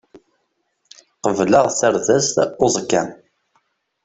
Qebleɣ tardast uẓekka.